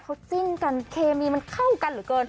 เขาจิ้นกันเคมีมันเข้ากันเหลือเกิน